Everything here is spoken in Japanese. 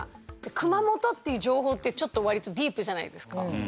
「熊本」っていう情報ってちょっと割とディープじゃないですか。